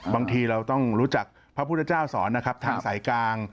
บางทีเราต้องรู้จักพระพุทธเจ้าสอนนะครับทางสายกลาง